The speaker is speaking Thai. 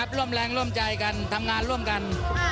ร่วมแรงร่วมใจกันทำงานร่วมกัน